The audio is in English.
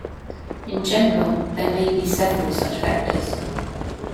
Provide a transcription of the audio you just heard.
In general, there may be several such vectors.